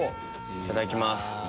いただきます。